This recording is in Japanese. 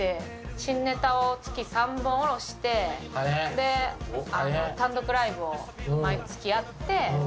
新ネタを月３本下ろして、単独ライブを毎月やって。